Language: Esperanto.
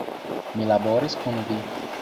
Mi laboris kun vi!